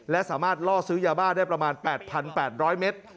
และสามารถล่อซื้อยาบ้าได้ประมาณ๘๘๐๐เมตร